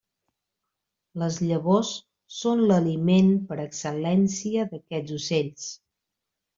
Les llavors són l'aliment per excel·lència d'aquests ocells.